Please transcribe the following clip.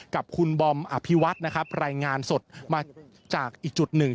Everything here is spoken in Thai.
กับคุณบอมอภิวัฒน์นะครับรายงานสดมาจากอีกจุดหนึ่ง